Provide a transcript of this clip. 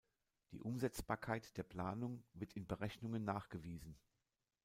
Die Umsetzbarkeit der Planung wird in Berechnungen nachgewiesen.